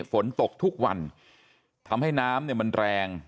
ฝนตกทุกวันทำให้น้ำมันแรง